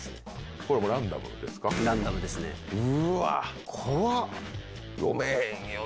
これもランダムですか？